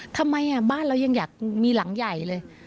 ทำไมบ้านเรายังอยากมีหลังใหญ่เลย